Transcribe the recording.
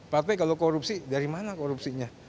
partai kalau korupsi dari mana korupsinya